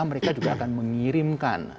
mereka juga akan mengirimkan